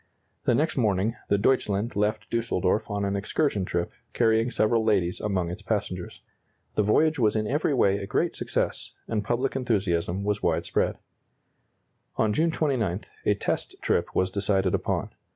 The next morning the "Deutschland" left Düsseldorf on an excursion trip, carrying several ladies among its passengers. The voyage was in every way a great success, and public enthusiasm was widespread. On June 29, a test trip was decided upon.